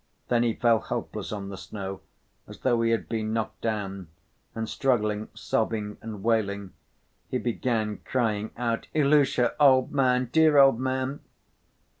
Then he fell helpless on the snow as though he had been knocked down, and struggling, sobbing, and wailing, he began crying out, "Ilusha, old man, dear old man!"